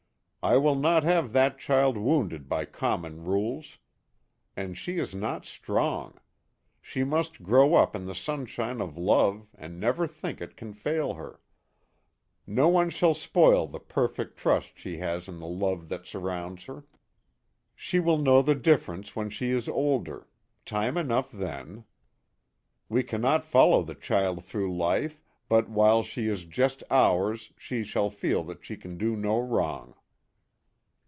I will not have that child wounded by common rules. And she is not strong. She must grow up in the sunshine of love and never think it can fail her. No one shall spoil the perfect trust she has in the love that surrounds her. She will know the difference when she is older time enough then ; we cannot follow the 102 "MISSMILLY." child through life, but while she is just ours she shall feel that she can do no wrong."